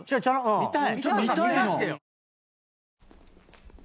見たい。